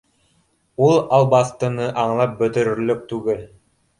— Ул албаҫтыны аңлап бөтөрөрлөк түгел